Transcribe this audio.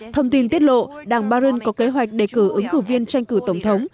thông tin tiết lộ đảng barin có kế hoạch đề cử ứng cử viên tranh cử tổng thống